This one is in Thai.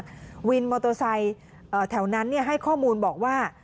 วินมอเตอร์ไซค์แถวนั้นให้ข้อมูลบอกว่า